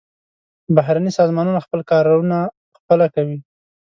بهرني سازمانونه خپل کارونه پخپله کوي.